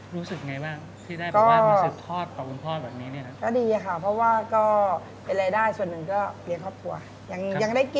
รู้สึกว่าแต่ภูมิใจง่ายไม่พอ